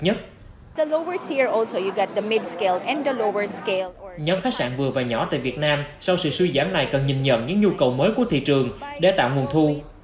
nhóm khách sạn vừa và nhỏ tại việt nam sau sự suy giảm này cần nhìn nhận những nhu cầu mới của thị trường để tạo nguồn thu